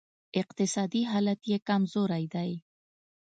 اقتصادي حالت یې کمزوری دی